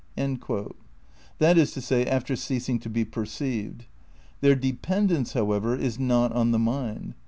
" That is to say, after ceasing to be perceived. Their dependence, however, is not on the mind.